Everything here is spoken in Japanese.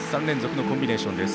３連続のコンビネーション。